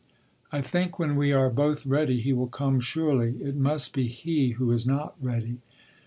I think when we are both ready he will come surely—it must be he who is not ready....